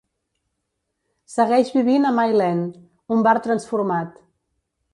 Segueix vivint a Mile End, un bar transformat.